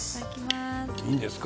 いいですか？